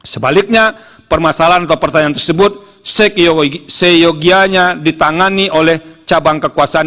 sebaliknya permasalahan atau pertanyaan tersebut seyogianya ditangani oleh cabang kekuasaan